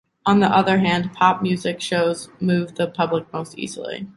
On the other hand, pop music shows move the public most easily.